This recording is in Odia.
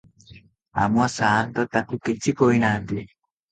ଆମ ସାଆନ୍ତ ତାକୁ କିଛି କହିନାହାନ୍ତି ।